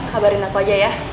kabarin aku aja ya